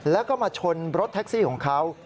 แล้วก็มาชนรถแท็กซี่ของเขา